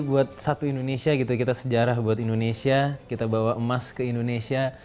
buat satu indonesia gitu kita sejarah buat indonesia kita bawa emas ke indonesia